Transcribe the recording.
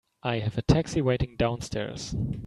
I have a taxi waiting downstairs.